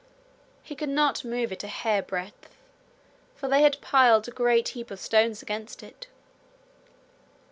He could not move it a hairbreadth, for they had piled a great heap of stones against it.